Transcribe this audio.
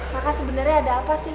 maka sebenarnya ada apa sih